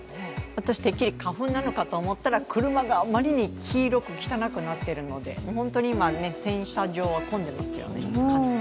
私、てっきり花粉なのかと思ったら車があまりに黄色く汚くなっているので本当に今、洗車場は混んでますよね。